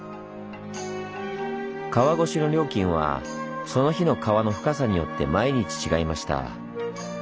川越しの料金はその日の川の深さによって毎日違いました。